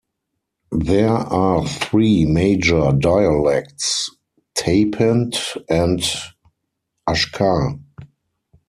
There are three major dialects, Tapant and Ashkhar.